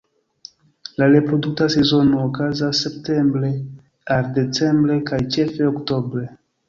La reprodukta sezono okazas septembre al decembre, kaj ĉefe oktobre.